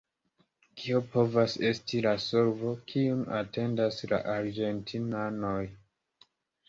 Kio povas esti la solvo, kiun atendas la argentinanoj?